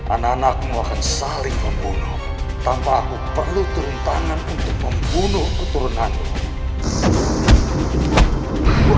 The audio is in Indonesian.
anak anakmu akan saling membunuh tanpa aku perlu turun tangan untuk membunuh keturunanku